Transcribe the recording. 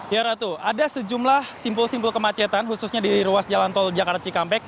ya ratu ada sejumlah simpul simpul kemacetan khususnya di ruas jalan tol jakarta cikampek